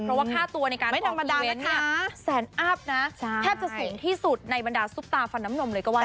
เพราะว่าค่าตัวในการไม่ธรรมดาเนี่ยแสนอัพนะแทบจะสูงที่สุดในบรรดาซุปตาฟันน้ำนมเลยก็ว่า